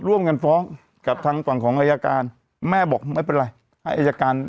ร่วมกันฟ้องกับทางฝั่งของอายการแม่บอกไม่เป็นไรให้อายการ